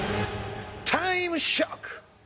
タイムショック！